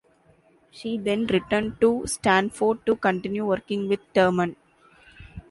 She then returned to Stanford to continue working with Terman.